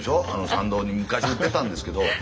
参道に昔売ってたんですけど。